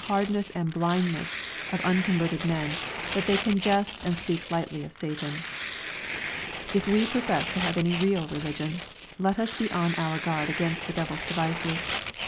411 hardness and blindness of unconverted men, that they can jest and speak lightly of Satan. If we profess to have any real religion, let us he on our guard against the devil's devices.